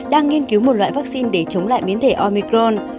đang nghiên cứu một loại vaccine để chống lại biến thể omicron